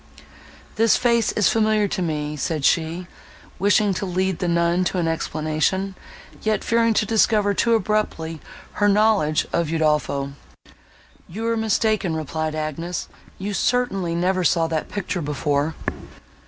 "This face is familiar to me," said she, wishing to lead the nun to an explanation, yet fearing to discover too abruptly her knowledge of Udolpho. "You are mistaken," replied Agnes, "you certainly never saw that picture before."